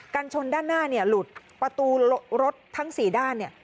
กันชนด้านหน้าเนี่ยหลุดประตูรถทั้งสี่ด้านเนี่ย